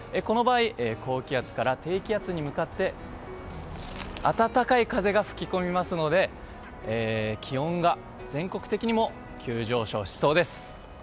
この場合高気圧から低気圧に向かって暖かい風が吹き込みますので気温が全国的にも急上昇しそうです。